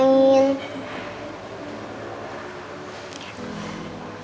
tapi bosan pengen main